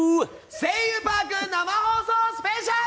「声優パーク」生放送スペシャル！